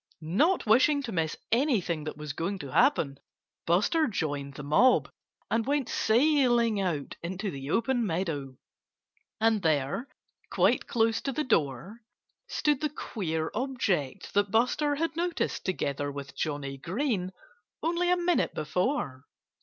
Not wishing to miss anything that was going to happen, Buster joined the mob and went sailing out into the open meadow. And there, quite close to the door, stood the queer object that Buster had noticed together with Johnnie Green only a minute before.